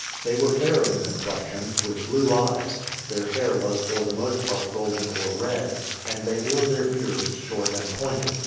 They were fair in complexion, with blue eyes; their hair was for the most part golden or red, and they wore their beards short and pointed.